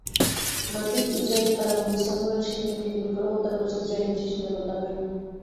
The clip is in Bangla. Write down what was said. মার্কিন-ইসরায়েলি কারাবন্দী স্যামুয়েল শিনবিনকে গুলি করে হত্যা করেছে ইসরায়েলি বিশেষ নিরাপত্তা বাহিনী।